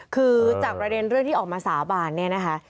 คือจากประเด็นเรื่องที่ออกมาสาบานเนี่ยนะคะ